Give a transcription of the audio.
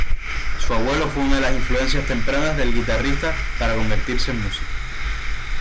Su abuelo fue una de las influencias tempranas del guitarrista para convertirse en músico.